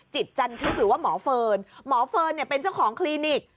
จันทึกหรือว่าหมอเฟิร์นหมอเฟิร์นเนี่ยเป็นเจ้าของคลินิก